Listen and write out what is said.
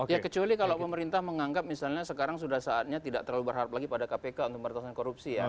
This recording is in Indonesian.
ya kecuali kalau pemerintah menganggap misalnya sekarang sudah saatnya tidak terlalu berharap lagi pada kpk untuk meretasan korupsi ya